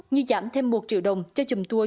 như giảm thêm một triệu đồng cho chùm tour